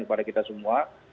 kepada kita semua